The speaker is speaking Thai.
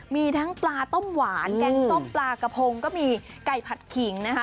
มีทั้งปลาต้มหวานแกงส้มปลากระพงก็มีไก่ผัดขิงนะคะ